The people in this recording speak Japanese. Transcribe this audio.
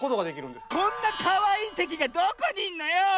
こんなかわいいてきがどこにいんのよ！